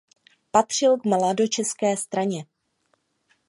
Patřil k mladočeské straně.